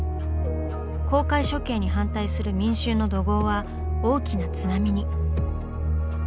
公開処刑に反対する民衆の怒号は大きな津波に。